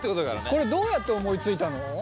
これどうやって思いついたの？